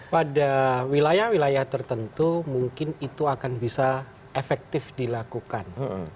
pada wilayah wilayah tertentu mungkin itu akan bisa efektif dilakukan